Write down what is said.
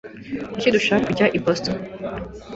Kuki dushaka kujya i Boston?